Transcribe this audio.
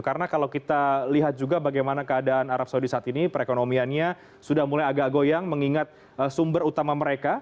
karena kalau kita lihat juga bagaimana keadaan arab saudi saat ini perekonomiannya sudah mulai agak goyang mengingat sumber utama mereka